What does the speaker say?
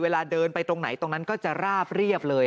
เวลาเดินไปตรงไหนตรงนั้นก็จะราบเรียบเลย